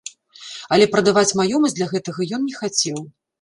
Але прадаваць маёмасць для гэтага ён не хацеў.